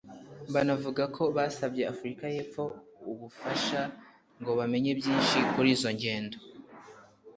banavuga ko basabye Afurika y’Epfo ubufasha ngo bamenye byinshi kurizo ngendo